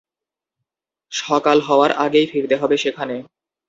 সকাল হওয়ার আগেই ফিরতে হবে সেখানে।